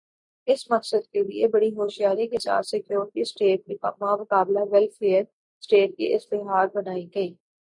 اس مقصد کے لئے بڑی ہوشیاری کے ساتھ سیکورٹی سٹیٹ بمقابلہ ویلفیئر سٹیٹ کی اصطلاحات بنائی گئیں۔